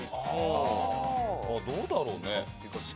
どうだろうね。